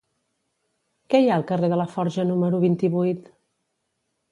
Què hi ha al carrer de Laforja número vint-i-vuit?